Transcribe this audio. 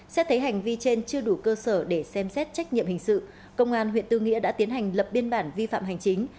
xét thấy hành vi trên chưa đủ cơ sở để xem xét trách nhiệm hình sự công an huyện tư nghĩa đã tiến hành lập biên bản vi phạm hành chính